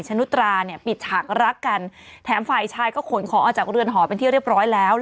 นุตราเนี่ยปิดฉากรักกันแถมฝ่ายชายก็ขนของออกจากเรือนหอเป็นที่เรียบร้อยแล้ว